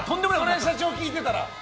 それ社長聞いてたら。